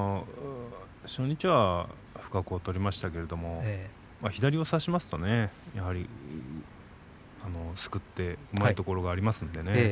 初日は不覚を取りましたけれども左を差しますとすくってうまいところがありますのでね